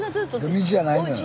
道じゃないのよ。